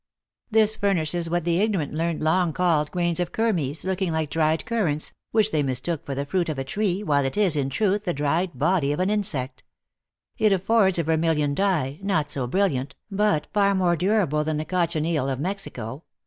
This furnishes what the ignorant learned long called grains of kermes, looking like dried currants, which they mistook for the fruit of a tree, while it is, in truth, the dried body of an insect. It affords a vermilion dye, not so brilliant, but far more durable than the cochineal of Mexico.